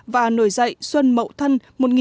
và nổi dạy xuân mậu thân một nghìn chín trăm sáu mươi tám